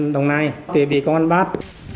hôm nay tôi bị công an bắt